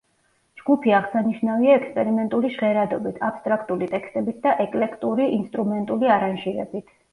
ჯგუფი აღსანიშნავია ექსპერიმენტული ჟღერადობით, აბსტრაქტული ტექსტებით და ეკლექტური ინსტრუმენტული არანჟირებით.